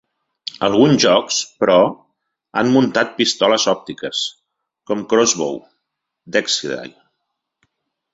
Alguns jocs, però, han muntat pistoles òptiques, com "Crossbow" d'Exidy.